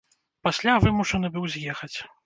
Пасля вымушаны быў з'ехаць.